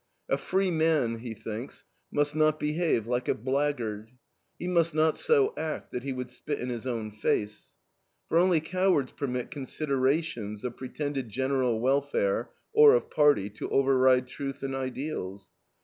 A free man, he thinks, must not behave like a blackguard. "He must not so act that he would spit in his own face." For only cowards permit "considerations" of pretended general welfare or of party to override truth and ideals.